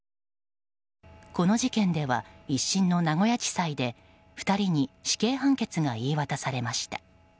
この事件では１審の名古屋地裁で２人に死刑判決が言い渡されました。